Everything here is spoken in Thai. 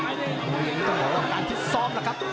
อันนี้ต้องบอกว่าการฟิตซ้อมล่ะครับ